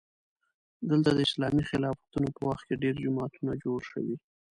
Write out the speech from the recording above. دلته د اسلامي خلافتونو په وخت کې ډېر جوماتونه جوړ شوي.